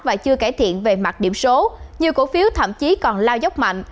và chưa cải thiện về mặt điểm số nhiều cổ phiếu thậm chí còn lao dốc mạnh